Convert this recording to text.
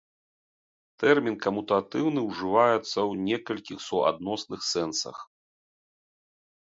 Тэрмін камутатыўны ўжываецца ў некалькіх суадносных сэнсах.